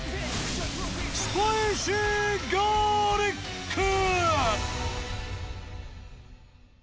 スパイシーガーリック！